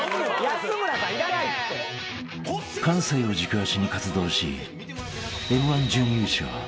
［関西を軸足に活動しＭ−１準優勝］